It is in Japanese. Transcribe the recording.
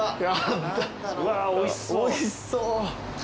うわおいしそう。